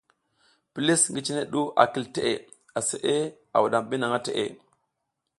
Pilis ngi cine ndra a kil teʼe, aseʼe a wuɗam bi nang teʼe.